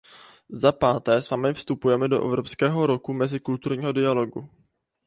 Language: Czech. Za páté s vámi vstupujeme do Evropského roku mezikulturního dialogu.